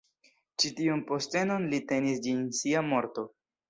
Ĉi tiun postenon li tenis ĝis sia morto.